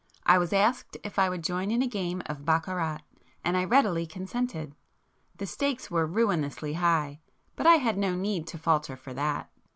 I was asked if I would join in a game of baccarat, and I readily consented. The stakes were ruinously high, but I had no need to falter for that.